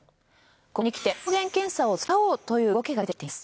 ここにきて抗原検査を使おうという動きが出てきています。